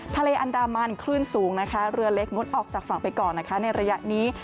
ทะเลอันดามันคลื่นสูงนะคะเรือเล็กงดออกจากฝั่งไปก่อนนะคะในระยะนี้